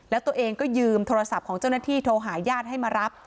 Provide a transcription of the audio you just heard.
แล้วตัวเองก็ยืมโทรศัพท์ของเจ้าหน้าที่โทรหาญาติให้มารับ